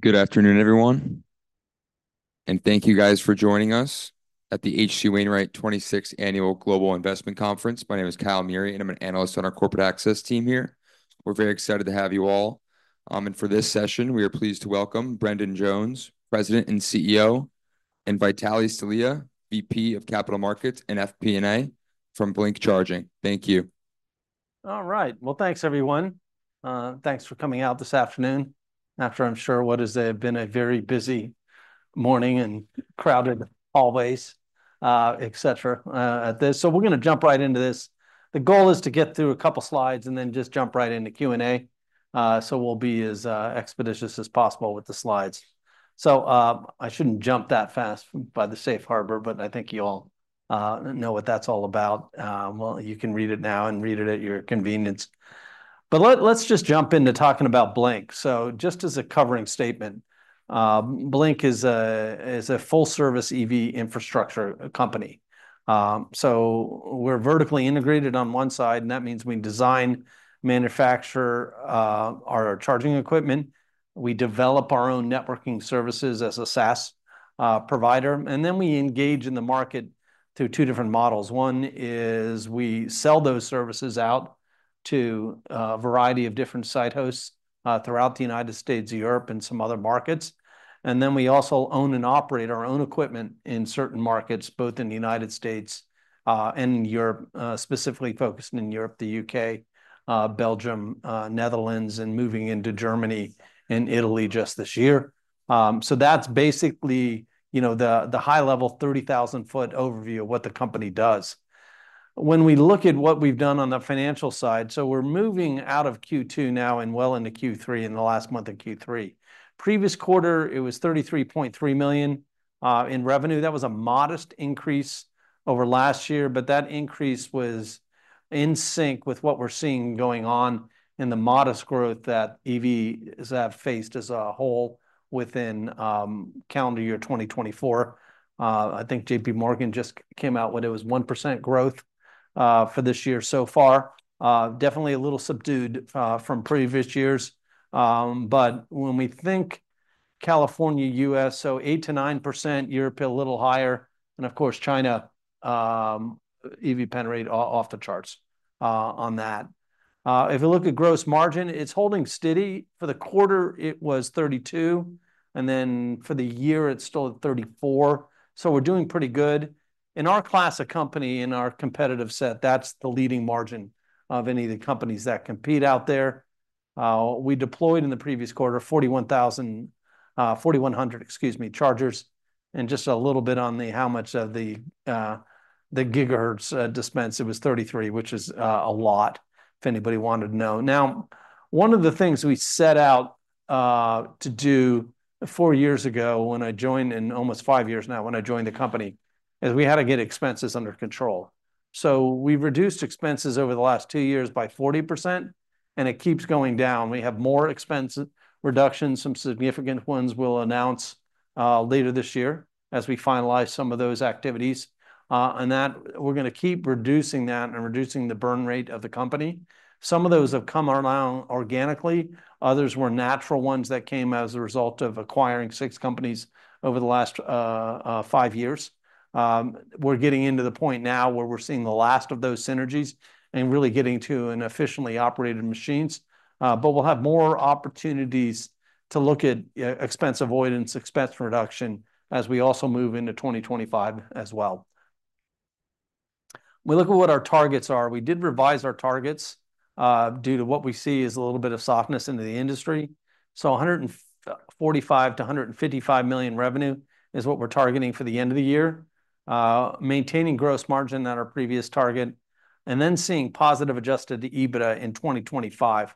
Good afternoon, everyone, and thank you guys for joining us at the H.C. Wainwright 26th Annual Global Investment Conference. My name is Kyle Meury and I'm an analyst on our corporate access team here. We're very excited to have you all. And for this session, we are pleased to welcome Brendan Jones, President and CEO, and Vitalie Stelea, VP of Capital Markets and FP&A from Blink Charging. Thank you. All right. Well, thanks, everyone. Thanks for coming out this afternoon after I'm sure what has been a very busy morning and crowded hallways, etcetera, at this. So we're gonna jump right into this. The goal is to get through a couple slides and then just jump right into Q&A. So we'll be as expeditious as possible with the slides. So, I shouldn't jump that fast by the safe harbor, but I think you all know what that's all about. Well, you can read it now and read it at your convenience. But let's just jump into talking about Blink. So just as a covering statement, Blink is a full-service EV infrastructure company. So we're vertically integrated on one side, and that means we design, manufacture, our charging equipment. We develop our own networking services as a SaaS provider, and then we engage in the market through two different models. One is we sell those services out to a variety of different site hosts throughout the United States, Europe, and some other markets, and then we also own and operate our own equipment in certain markets, both in the United States and in Europe, specifically focusing in Europe, the U.K., Belgium, Netherlands, and moving into Germany and Italy just this year, so that's basically, you know, the high-level, 30,000-foot overview of what the company does. When we look at what we've done on the financial side, so we're moving out of Q2 now and well into Q3, in the last month of Q3. Previous quarter, it was $ 33.3 million in revenue. That was a modest increase over last year, but that increase was in sync with what we're seeing going on in the modest growth that EVs have faced as a whole within calendar year 2024. I think J.P. Morgan just came out with it was 1% growth for this year so far. Definitely a little subdued from previous years. But when we think California, U.S., so 8%-9%, Europe a little higher, and of course, China, EV penetration rate off the charts on that. If you look at gross margin, it's holding steady. For the quarter, it was 32%, and then for the year, it's still at 34%. So we're doing pretty good. In our class of company, in our competitive set, that's the leading margin of any of the companies that compete out there. We deployed in the previous quarter, 41,000, 4,100, excuse me, chargers. Just a little bit on how much of the GWh dispensed, it was 33, which is a lot, if anybody wanted to know. Now, one of the things we set out to do four years ago, when I joined, and almost five years now, when I joined the company, is we had to get expenses under control. So we've reduced expenses over the last two years by 40%, and it keeps going down. We have more expense reductions. Some significant ones we'll announce later this year as we finalize some of those activities. And that, we're gonna keep reducing that and reducing the burn rate of the company. Some of those have come around organically. Others were natural ones that came as a result of acquiring six companies over the last five years. We're getting into the point now where we're seeing the last of those synergies and really getting to an efficiently operated machines. But we'll have more opportunities to look at expense avoidance, expense reduction, as we also move into 2025 as well. We look at what our targets are. We did revise our targets due to what we see as a little bit of softness in the industry. So $145 million-$155 million revenue is what we're targeting for the end of the year. Maintaining gross margin at our previous target, and then seeing positive adjusted EBITDA in 2025.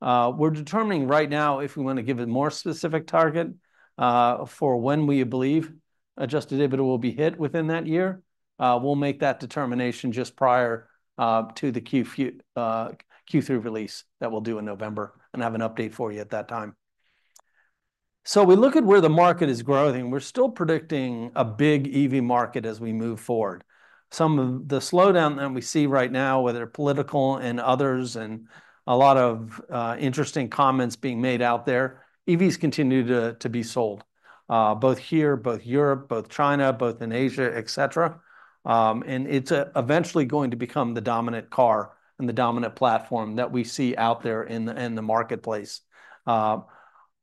We're determining right now if we want to give a more specific target for when we believe Adjusted EBITDA will be hit within that year. We'll make that determination just prior to the Q3 release that we'll do in November and have an update for you at that time, so we look at where the market is growing. We're still predicting a big EV market as we move forward. Some of the slowdown that we see right now, whether political and others, and a lot of interesting comments being made out there, EVs continue to be sold both here, both Europe, both China, both in Asia, et cetera, and it's eventually going to become the dominant car and the dominant platform that we see out there in the marketplace.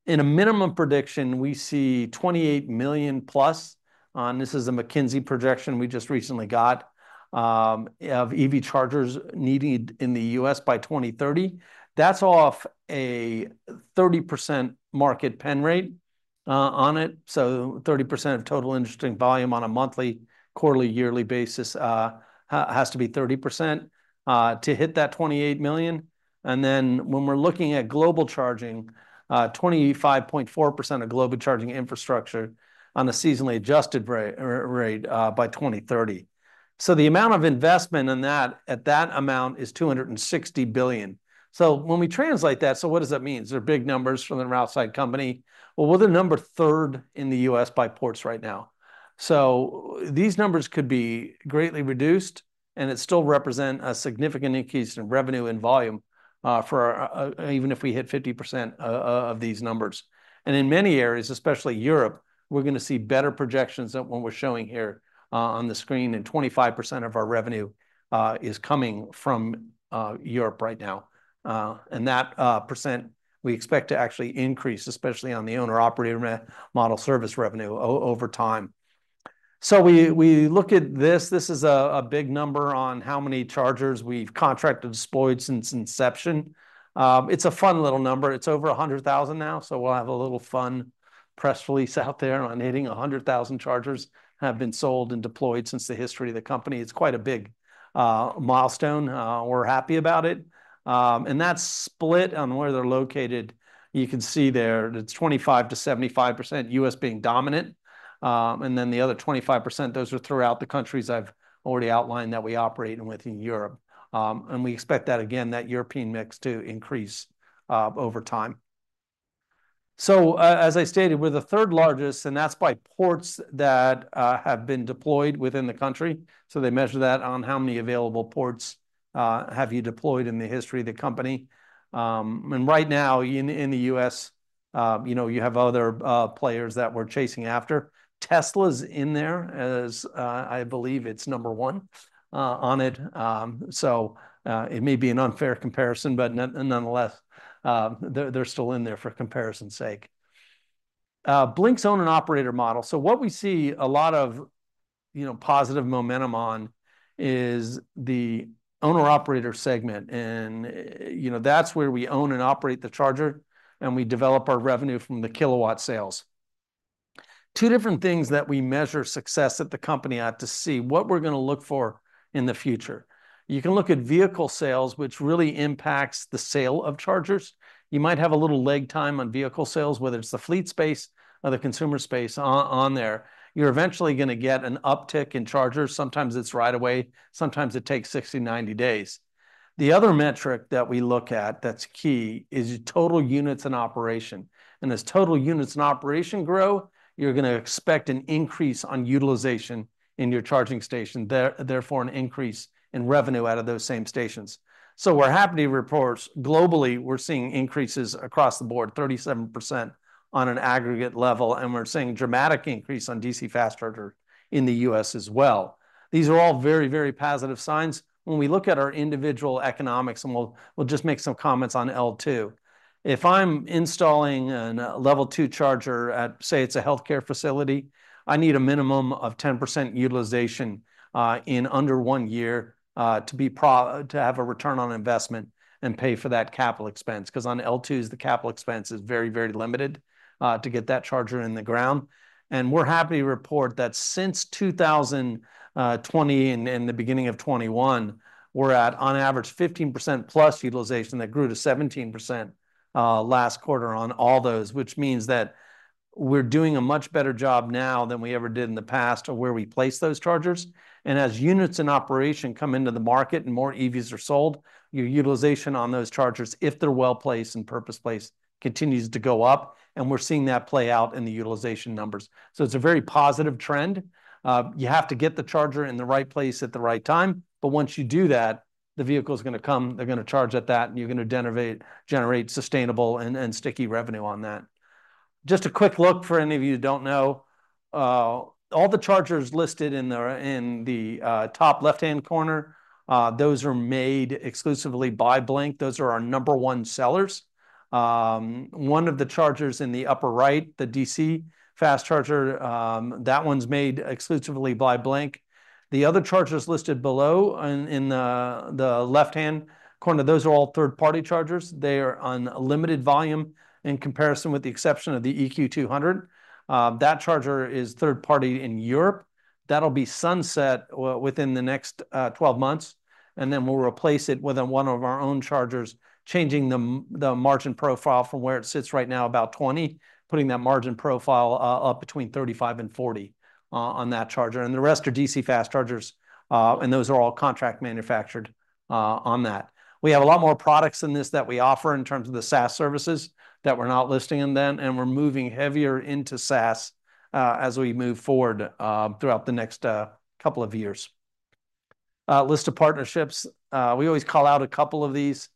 In a minimum prediction, we see 28 million plus, and this is a McKinsey projection we just recently got, of EV chargers needed in the U.S. by 2030. That's off a 30% market penetration rate on it, so 30% of total vehicle volume on a monthly, quarterly, yearly basis has to be 30% to hit that 28 million. And then, when we're looking at global charging, 25.4% of global charging infrastructure on a seasonally adjusted rate by 2030. So the amount of investment in that, at that amount, is $260 billion. So when we translate that, so what does that mean? They're big numbers from an outside company. Well, we're the number three in the U.S. by ports right now. So these numbers could be greatly reduced, and it still represent a significant increase in revenue and volume, even if we hit 50% of these numbers. And in many areas, especially Europe, we're gonna see better projections than what we're showing here on the screen, and 25% of our revenue is coming from Europe right now. And that percent we expect to actually increase, especially on the owner-operator model service revenue over time. So we look at this. This is a big number on how many chargers we've contracted, deployed since inception. It's a fun little number. It's over 100,000 now, so we'll have a little fun press release out there on hitting 100,000 chargers have been sold and deployed since the history of the company. It's quite a big milestone. We're happy about it, and that's split on where they're located. You can see there, it's 25%-75%, U.S. being dominant, and then the other 25%, those are throughout the countries I've already outlined that we operate in, within Europe, and we expect that, again, that European mix to increase over time, so as I stated, we're the third largest, and that's by ports that have been deployed within the country, so they measure that on how many available ports have you deployed in the history of the company, and right now, in the U.S., you know, you have other players that we're chasing after. Tesla's in there, as I believe it's number one on it. It may be an unfair comparison, but nonetheless, they're still in there, for comparison's sake. Blink's owner and operator model, so what we see a lot of, you know, positive momentum on is the owner-operator segment, and, you know, that's where we own and operate the charger, and we develop our revenue from the kilowatt sales. Two different things that we measure success at the company to see what we're gonna look for in the future. You can look at vehicle sales, which really impacts the sale of chargers. You might have a little lag time on vehicle sales, whether it's the fleet space or the consumer space on there. You're eventually gonna get an uptick in chargers. Sometimes it's right away, sometimes it takes 60, 90 days. The other metric that we look at that's key is total units in operation, and as total units in operation grow, you're gonna expect an increase on utilization in your charging station, therefore, an increase in revenue out of those same stations. So we're happy to report globally, we're seeing increases across the board, 37% on an aggregate level, and we're seeing a dramatic increase on DC fast charger in the U.S. as well. These are all very, very positive signs when we look at our individual economics, and we'll just make some comments on L2. If I'm installing a Level 2 charger at, say, it's a healthcare facility, I need a minimum of 10% utilization in under one year to be pro... To have a return on investment and pay for that capital expense, 'cause on L2s, the capital expense is very, very limited to get that charger in the ground. And we're happy to report that since 2020 and the beginning of 2021, we're at, on average, 15% plus utilization. That grew to 17% last quarter on all those, which means that we're doing a much better job now than we ever did in the past of where we place those chargers. And as units in operation come into the market and more EVs are sold, your utilization on those chargers, if they're well-placed and purpose-placed, continues to go up, and we're seeing that play out in the utilization numbers. So it's a very positive trend. You have to get the charger in the right place at the right time, but once you do that, the vehicle's gonna come, they're gonna charge at that, and you're gonna generate sustainable and sticky revenue on that. Just a quick look for any of you who don't know, all the chargers listed in the top left-hand corner, those are made exclusively by Blink. Those are our number one sellers. One of the chargers in the upper right, the DC fast charger, that one's made exclusively by Blink. The other chargers listed below, in the left-hand corner, those are all third-party chargers. They are on limited volume in comparison, with the exception of the EQ 200. That charger is third-party in Europe. That'll be sunset within the next twelve months, and then we'll replace it with one of our own chargers, changing the margin profile from where it sits right now, about 20%, putting that margin profile up between 35% and 40% on that charger. And the rest are DC fast chargers, and those are all contract manufactured on that. We have a lot more products than this that we offer in terms of the SaaS services that we're not listing in then, and we're moving heavier into SaaS as we move forward throughout the next couple of years. List of partnerships, we always call out a couple of these.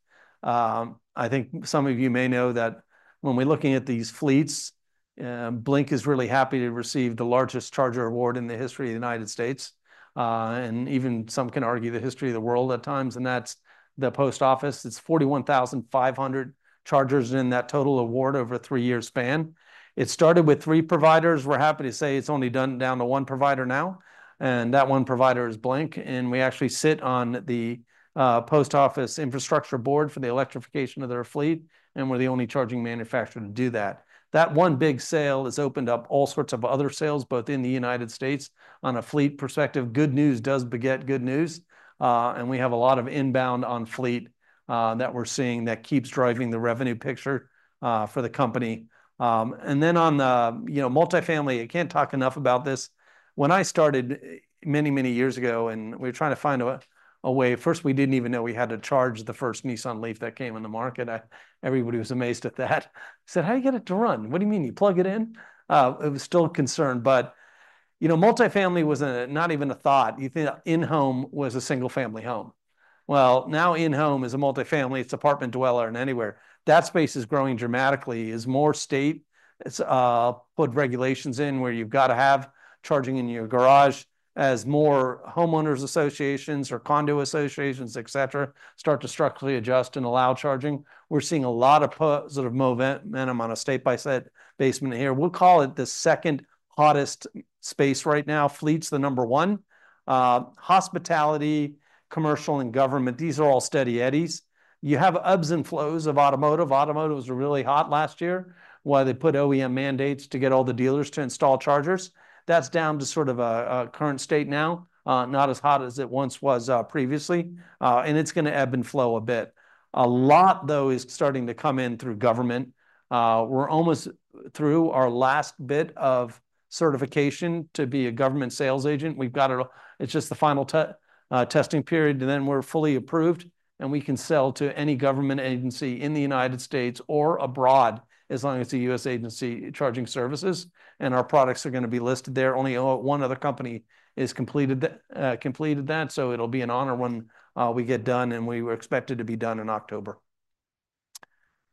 I think some of you may know that when we're looking at these fleets, Blink is really happy to receive the largest charger award in the history of the United States, and even some can argue, the history of the world at times, and that's the Post Office. It's 41,500 chargers in that total award over a three-year span. It started with three providers. We're happy to say it's only down to one provider now, and that one provider is Blink, and we actually sit on the Post Office Infrastructure Board for the electrification of their fleet, and we're the only charging manufacturer to do that. That one big sale has opened up all sorts of other sales, both in the United States on a fleet perspective. Good news does beget good news. And we have a lot of inbound on fleet that we're seeing that keeps driving the revenue picture for the company. And then on the, you know, multifamily, I can't talk enough about this. When I started many, many years ago and we were trying to find a way. First, we didn't even know we had to charge the first Nissan LEAF that came on the market. Everybody was amazed at that. Said, "How do you get it to run? What do you mean you plug it in?" It was still a concern. You know, multifamily was not even a thought. You think in-home was a single-family home. Well, now in-home is a multifamily; it's apartment dweller, and anywhere. That space is growing dramatically, as more states put regulations in where you've gotta have charging in your garage. As more homeowners associations or condo associations, et cetera, start to structurally adjust and allow charging, we're seeing a lot of sort of momentum on a state-by-state basis here. We'll call it the second hottest space right now. Fleet's the number one. Hospitality, commercial, and government, these are all steady Eddies. You have ebbs and flows of automotive. Automotive was really hot last year while they put OEM mandates to get all the dealers to install chargers. That's down to sort of a current state now, not as hot as it once was, previously. And it's gonna ebb and flow a bit. A lot, though, is starting to come in through government. We're almost through our last bit of certification to be a government sales agent. We've got it. It's just the final testing period, and then we're fully approved, and we can sell to any government agency in the United States or abroad, as long as the U.S. agency charging services, and our products are gonna be listed there. Only one other company has completed that, so it'll be an honor when we get done, and we were expected to be done in October.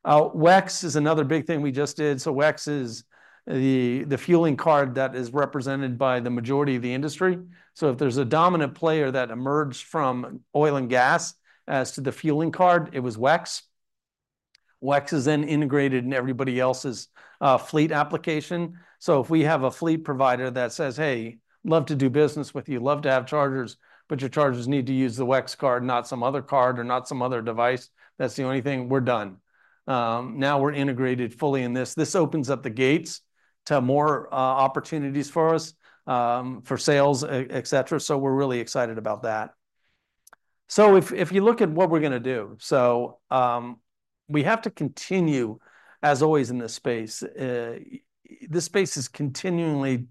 WEX is another big thing we just did. So WEX is the fueling card that is represented by the majority of the industry. So if there's a dominant player that emerged from oil and gas as to the fueling card, it was WEX. WEX is then integrated in everybody else's fleet application. So if we have a fleet provider that says, "Hey, love to do business with you, love to have chargers, but your chargers need to use the WEX card, not some other card or not some other device," that's the only thing, we're done. Now we're integrated fully in this. This opens up the gates to more opportunities for us, for sales, et cetera, so we're really excited about that. If you look at what we're gonna do, we have to continue, as always, in this space. This space is continually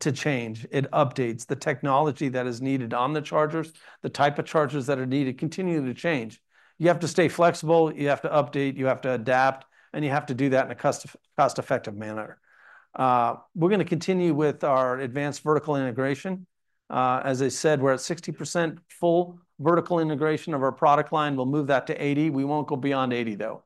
changing. It updates the technology that is needed on the chargers. The type of chargers that are needed continue to change. You have to stay flexible, you have to update, you have to adapt, and you have to do that in a cost-effective manner. We're gonna continue with our advanced vertical integration. As I said, we're at 60% full vertical integration of our product line. We'll move that to 80. We won't go beyond 80, though,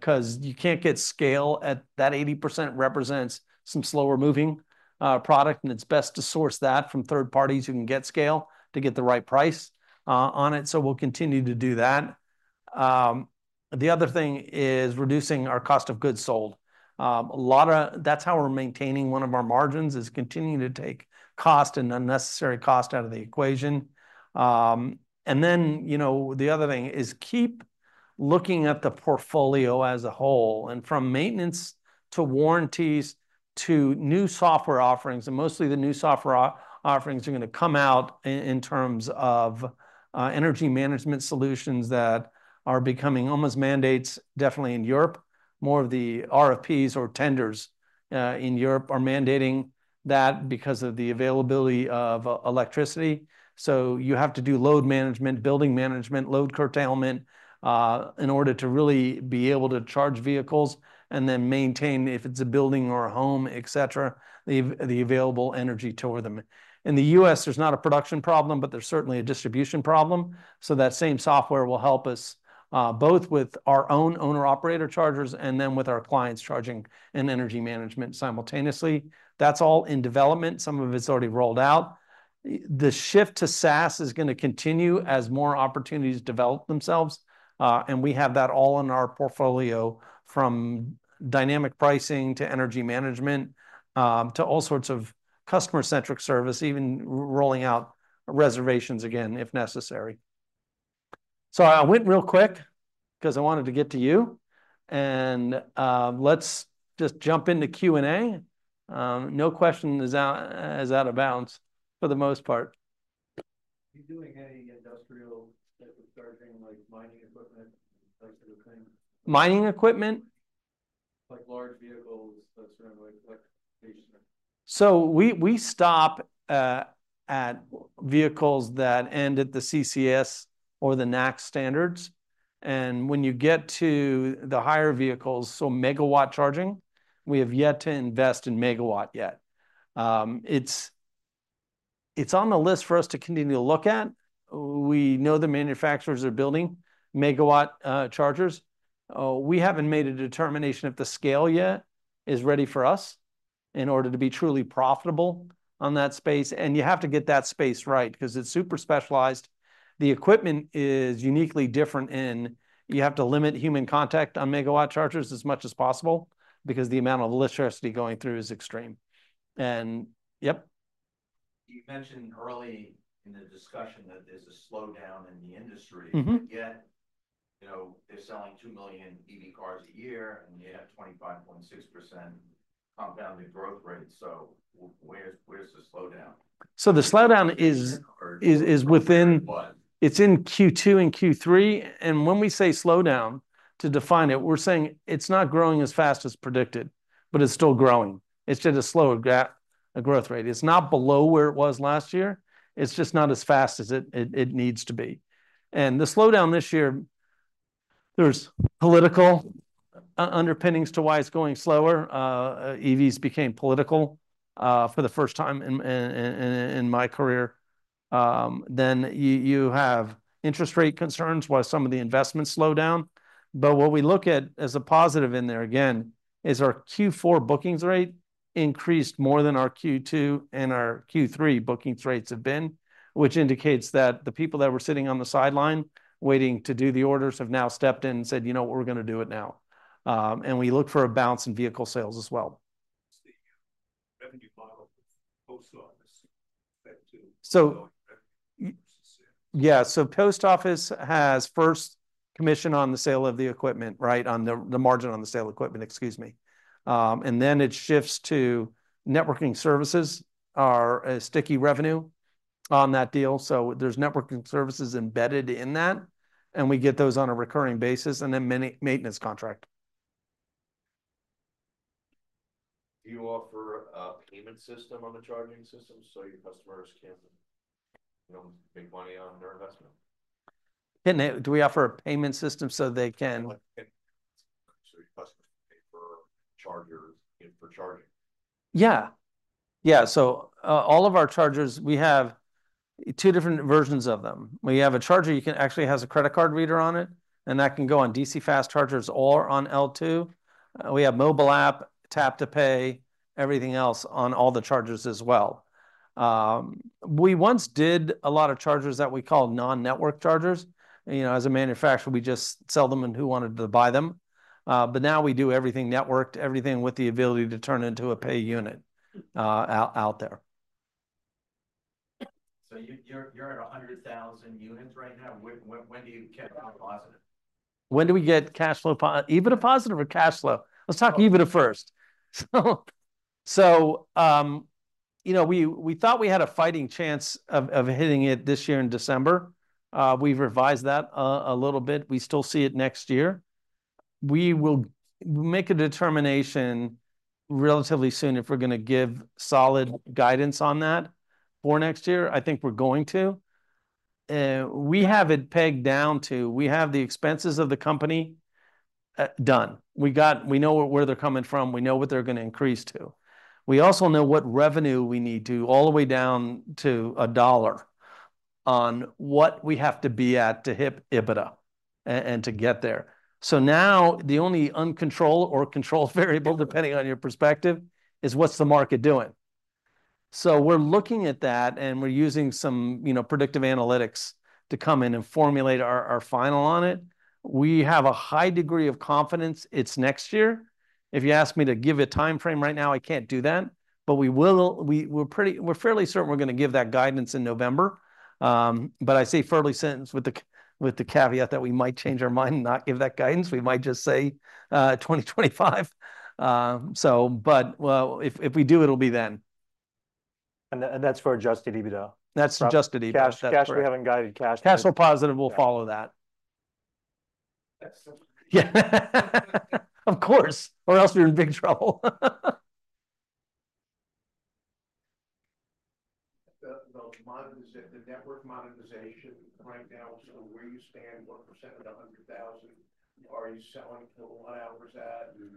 'cause you can't get scale. That 80% represents some slower-moving product, and it's best to source that from third parties who can get scale to get the right price on it, so we'll continue to do that. The other thing is reducing our cost of goods sold. That's how we're maintaining one of our margins, is continuing to take cost and unnecessary cost out of the equation. And then, you know, the other thing is keep looking at the portfolio as a whole, and from maintenance to warranties to new software offerings, and mostly the new software offerings are gonna come out in terms of energy management solutions that are becoming almost mandates, definitely in Europe. More of the RFPs or tenders in Europe are mandating that because of the availability of electricity. So you have to do load management, building management, load curtailment in order to really be able to charge vehicles and then maintain, if it's a building or a home, et cetera, the available energy toward them. In the US, there's not a production problem, but there's certainly a distribution problem. So that same software will help us both with our own owner-operator chargers and then with our clients' charging and energy management simultaneously. That's all in development. Some of it's already rolled out. The shift to SaaS is gonna continue as more opportunities develop themselves, and we have that all in our portfolio, from dynamic pricing to energy management, to all sorts of customer-centric service, even rolling out reservations again, if necessary. So I went real quick 'cause I wanted to get to you, and, let's just jump into Q&A. No question is out of bounds for the most part. Are you doing any industrial type of charging, like mining equipment, that sort of thing? Mining equipment? Like large vehicles that sort of like, like stationed there. So we stop at vehicles that end at the CCS or the NACS standards, and when you get to the higher vehicles, so megawatt charging, we have yet to invest in megawatt yet. It's on the list for us to continue to look at. We know the manufacturers are building megawatt chargers. We haven't made a determination if the scale yet is ready for us in order to be truly profitable on that space, and you have to get that space right because it's super specialized. The equipment is uniquely different in you have to limit human contact on megawatt chargers as much as possible because the amount of electricity going through is extreme. And, yep. You mentioned early in the discussion that there's a slowdown in the industry. Yet, you know, they're selling two million EV cars a year, and you have 25.6% compounded growth rate, so where's the slowdown? So the slowdown is.. is within- It's in Q2 and Q3, and when we say slowdown, to define it, we're saying it's not growing as fast as predicted, but it's still growing. It's just a slower growth rate. It's not below where it was last year. It's just not as fast as it needs to be. And the slowdown this year. There's political underpinnings to why it's going slower. EVs became political for the first time in my career. Then you have interest rate concerns why some of the investments slow down. But what we look at as a positive in there, again, is our Q4 bookings rate increased more than our Q2 and our Q3 bookings rates have been, which indicates that the people that were sitting on the sideline waiting to do the orders have now stepped in and said, "You know what? We're gonna do it now." And we look for a bounce in vehicle sales as well. What's the revenue model with Post Office effect to? So- Revenue versus, yeah. Yeah, so Post office has first commission on the sale of the equipment, right? On the, the margin on the sale of equipment, excuse me. And then it shifts to networking services are a sticky revenue on that deal, so there's networking services embedded in that, and we get those on a recurring basis, and then maintenance contract. Do you offer a payment system on the charging system so your customers can, you know, make money on their investment? Can they? Do we offer a payment system so they can? Like, so your customers can pay for chargers and for charging? Yeah. Yeah, so, all of our chargers, we have two different versions of them. We have a charger actually has a credit card reader on it, and that can go on DC fast chargers or on L2. We have mobile app, tap-to-pay, everything else on all the chargers as well. We once did a lot of chargers that we called non-network chargers. You know, as a manufacturer, we just sell them and who wanted to buy them. But now we do everything networked, everything with the ability to turn into a pay unit, out there. So you're at 100,000 units right now. When do you get positive? When do we get cash flow positive or EBITDA positive or cash flow? Let's talk EBITDA first. So, you know, we thought we had a fighting chance of hitting it this year in December. We've revised that a little bit. We still see it next year. We will make a determination relatively soon if we're gonna give solid guidance on that for next year. I think we're going to. We have it pegged down to. We have the expenses of the company done. We know where they're coming from. We know what they're gonna increase to. We also know what revenue we need to, all the way down to a dollar, on what we have to be at to hit EBITDA and to get there. Now, the only uncontrollable or controllable variable, depending on your perspective, is: What's the market doing? We're looking at that, and we're using some, you know, predictive analytics to come in and formulate our final on it. We have a high degree of confidence it's next year. If you ask me to give a timeframe right now, I can't do that, but we will. We're fairly certain we're gonna give that guidance in November. But I say fairly certain with the caveat that we might change our mind and not give that guidance. We might just say 2025. If we do, it'll be then. That's for Adjusted EBITDA? That's adjusted EBITDA. Cash, cash, we haven't guided cash. Cash flow positive will follow that. Thanks sir Yeah. Of course, or else we're in big trouble. The monetization, the network monetization right now, so where you stand, what % of the hundred thousand are you selling kilowatt hours at, and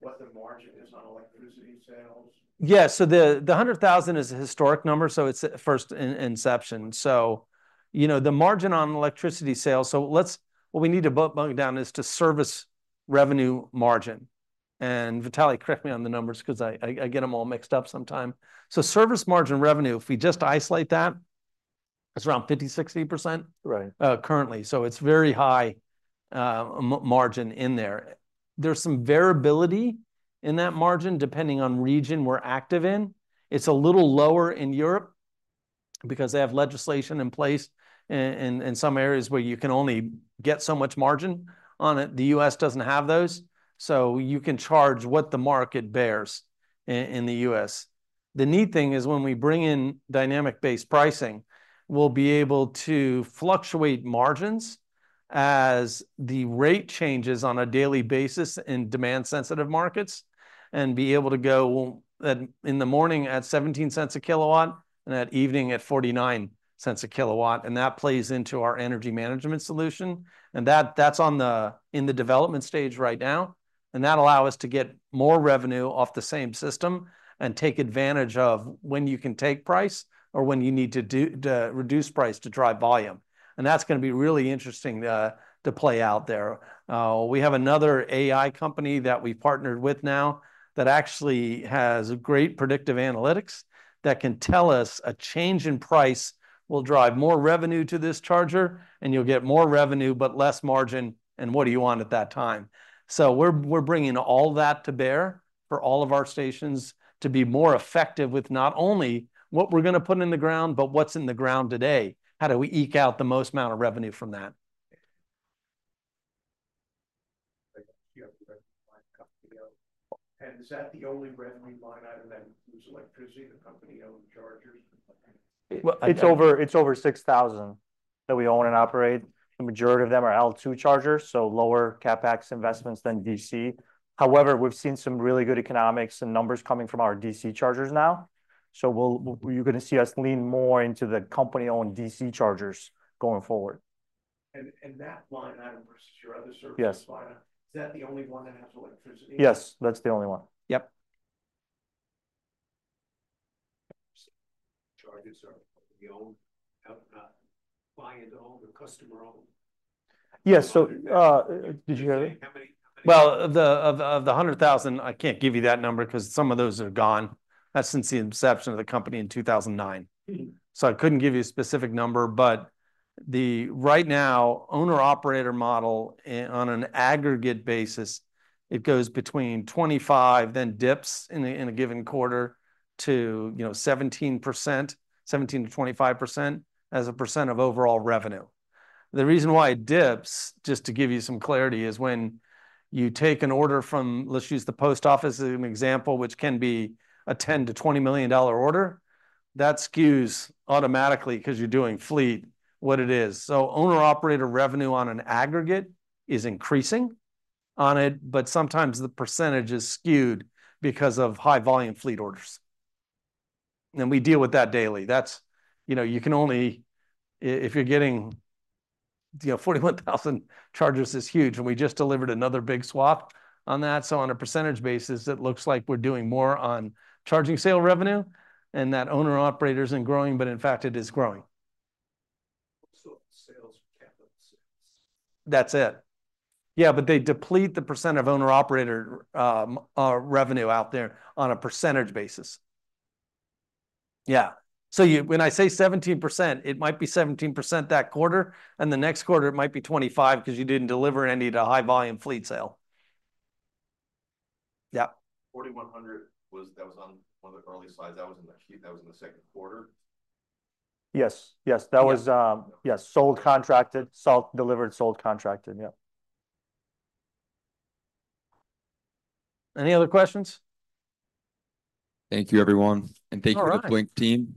what the margin is on electricity sales? Yeah, so the hundred thousand is a historic number, so it's a first in inception. So, you know, the margin on electricity sales, so let's... What we need to break down is the service revenue margin. And, Vitalie, correct me on the numbers, 'cause I get them all mixed up sometimes. So service margin revenue, if we just isolate that, it's around 50%-60%. Right... currently, so it's very high, margin in there. There's some variability in that margin, depending on region we're active in. It's a little lower in Europe because they have legislation in place in some areas where you can only get so much margin on it. The U.S. doesn't have those, so you can charge what the market bears in the U.S. The neat thing is, when we bring in dynamic-based pricing, we'll be able to fluctuate margins as the rate changes on a daily basis in demand-sensitive markets and be able to go, in the morning at $0.17 a kilowatt and at evening at $0.49 a kilowatt, and that plays into our energy management solution. And that's in the development stage right now, and that'll allow us to get more revenue off the same system and take advantage of when you can take price or when you need to reduce price to drive volume. And that's gonna be really interesting to play out there. We have another AI company that we've partnered with now that actually has great predictive analytics that can tell us: A change in price will drive more revenue to this charger, and you'll get more revenue but less margin, and what do you want at that time? So we're bringing all that to bear for all of our stations to be more effective with not only what we're gonna put in the ground but what's in the ground today. How do we eke out the most amount of revenue from that? Yeah, the company-owned, and is that the only revenue line item, then, is electricity, the company-owned chargers? It's over 6,000 that we own and operate. The majority of them are L2 chargers, so lower CapEx investments than DC. However, we've seen some really good economics and numbers coming from our DC chargers now. ... so we'll, you're gonna see us lean more into the company-owned DC chargers going forward. In that line item versus your other service line- Yes. Is that the only one that has electricity? Yes, that's the only one. Yep. Chargers are the owned, client-owned or customer-owned? Yes. So, did you hear me? How many? Of the hundred thousand, I can't give you that number 'cause some of those are gone. That's since the inception of the company in 2009. So I couldn't give you a specific number, but right now, owner-operator model on an aggregate basis, it goes between 25, then dips in a given quarter to, you know, 17%, 17%-25% as a percent of overall revenue. The reason why it dips, just to give you some clarity, is when you take an order from, let's use the Post Office as an example, which can be a $10 million-$20 million order, that skews automatically 'cause you're doing fleet, what it is. So owner-operator revenue on an aggregate is increasing on it, but sometimes the percentage is skewed because of high-volume fleet orders. And we deal with that daily. That's, you know, you can only... If you're getting, you know, 41,000 chargers is huge, and we just delivered another big swap on that. So on a percentage basis, it looks like we're doing more on charging sale revenue, and that owner-operator isn't growing, but in fact, it is growing. So, sales, capital sales. That's it. Yeah, but they deplete the percent of owner-operator revenue out there on a percentage basis. Yeah. So you, when I say 17%, it might be 17% that quarter, and the next quarter it might be 25% 'cause you didn't deliver any to high-volume fleet sale. Yep. 4,100 was, that was on one of the early slides. That was in the second quarter? Yes, yes. That was, yes, sold, contracted, sold, delivered, sold, contracted, yep. Any other questions? Thank you, everyone, and thank you... to the Blink team.